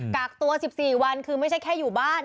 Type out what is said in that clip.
กักตัว๑๔วันคือไม่ใช่แค่อยู่บ้าน